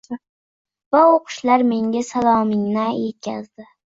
Va u qushlar menga salomingni yetkazdi.